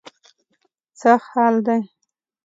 څه حال دی.